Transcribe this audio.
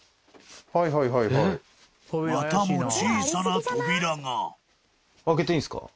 はいはいはいはいまたも小さな扉が開けていいんすか？